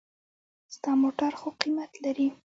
ستا موټر خو قېمت لري.